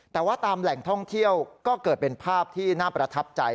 แต่ว่าตามแหล่งท่องเที่ยวก็เกิดเป็นภาพที่น่าประทับใจ